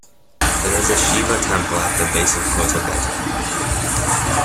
There is a Shiva temple at the base of Kotebetta.